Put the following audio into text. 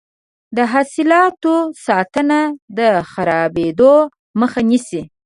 د حاصلاتو ساتنه د خرابیدو مخه نیسي.